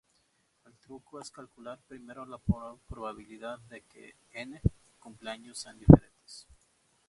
El truco es calcular primero la probabilidad de que "n" cumpleaños sean "diferentes".